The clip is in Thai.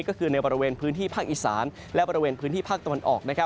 ก็คือในบริเวณพื้นที่ภาคอีสานและบริเวณพื้นที่ภาคตะวันออก